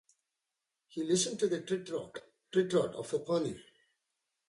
He listened to the trit-trot, trit-trot of a pony.